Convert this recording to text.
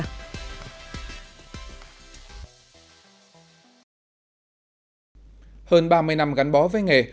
hơn ba mươi năm gắn bó với nghề